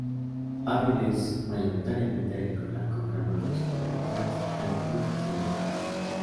Hail es mayoritariamente agrícola, con gran producción de frutas, dátiles y cereales.